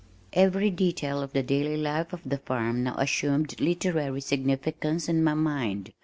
Every detail of the daily life of the farm now assumed literary significance in my mind.